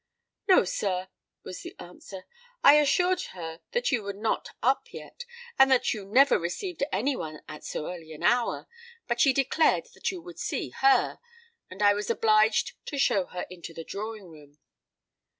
"No, sir," was the answer. "I assured her that you were not up yet, and that you never received any one at so early an hour; but she declared that you would see her; and I was obliged to show her into the drawing room."